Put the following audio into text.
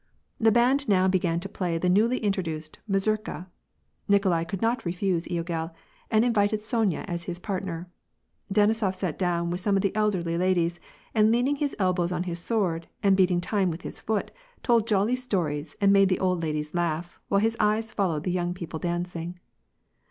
Tlie band now began to play the newly introduced mazurka. Nikolai could not refuse Togel, and invited Sonya as his part^ ner. Denisof sat down with some of the elderly ladies, and leaning his elbows on his sword, and beating time with his foot, told jolly stories and made the old ladies laugh, while his eyes followed the young people dancing.